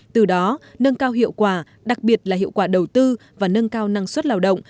từ đó nâng cao hiệu quả đặc biệt là hiệu quả đầu tư và nâng cao năng suất lao động